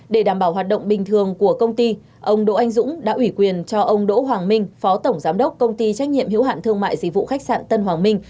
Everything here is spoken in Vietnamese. để đảm bảo hoạt động bình thường của công ty ông đỗ anh dũng đã ủy quyền cho ông đỗ hoàng minh phó tổng giám đốc công ty trách nhiệm hiếu hạn thương mại dịch vụ khách sạn tân hoàng minh